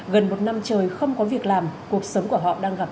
gần một năm trời không có việc làm cuộc sống của họ đang gặp